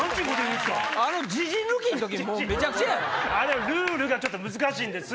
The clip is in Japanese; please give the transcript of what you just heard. あれルールがちょっと難しいんです。